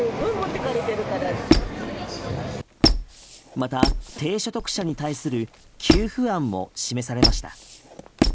また低所得者に対する給付案も示されました。